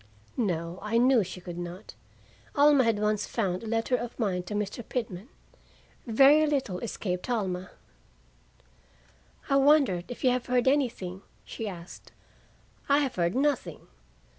No. I knew she could not. Alma had once found a letter of mine to Mr. Pitman. Very little escaped Alma. "I wondered if you have heard anything?" she asked. "I have heard nothing.